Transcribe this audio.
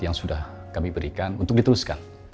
yang sudah kami berikan untuk diteruskan